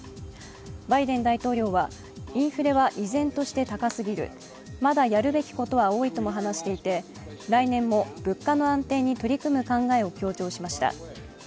バイデン大統領はインフレは依然として高すぎる、まだやるべきことは多いとも話していて、来年も物価の安定に取り組む考えを強調しました。